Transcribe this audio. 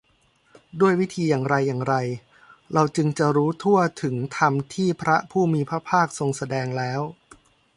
ด้วยวิธีอย่างไรอย่างไร เราจึงจะรู้ทั่วถึงธรรมที่พระผู้มีพระภาคทรงแสดงแล้ว